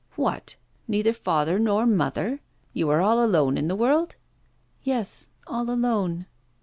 'What! neither father nor mother? You are all alone in the world?' 'Yes; all alone.